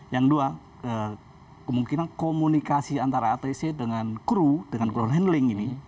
yang dua kemungkinan komunikasi antara atc dengan kru dengan kru handling ini